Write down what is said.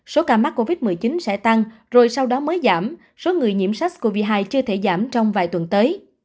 số ca mắc covid một mươi chín sẽ tăng rồi sau đó mới giảm số người nhiễm sars cov hai chưa thể giảm trong vài tuần tới